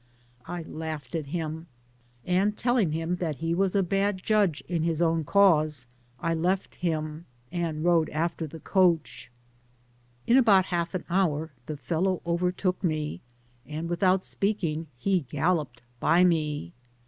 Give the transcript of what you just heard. I laughed at him, and telling him that he was a bad judge in his own cause, I left him, and rode after the coach. In about half an hour the fellow overtook me, and, without speaking, he galloped by me.